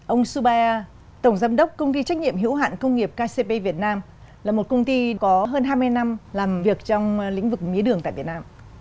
ông subaia tổng giám đốc công ty trách nhiệm hữu hạn công nghiệp kcp việt nam là một công ty có hơn hai mươi năm làm việc trong lĩnh vực mía đường tại việt nam